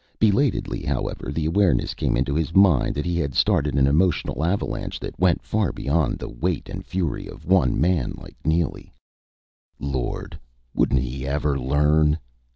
Belatedly, however, the awareness came into his mind that he had started an emotional avalanche that went far beyond the weight and fury of one man like Neely. Lord, wouldn't he ever learn?